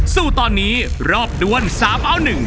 สู้ตอนนี้รอบด้วน๓เอา๑